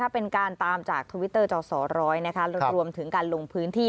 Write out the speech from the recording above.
เป็นการตามจากทวิตเตอร์จสร้อยรวมถึงการลงพื้นที่